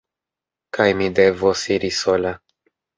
Kaj mi devos iri sola.